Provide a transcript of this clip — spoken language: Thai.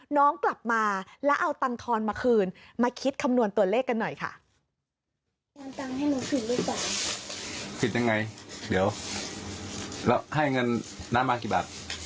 น้องกลับมาแล้วเอาตังทอนมาคืนมาคิดคำนวณตัวเลขกันหน่อยค่ะ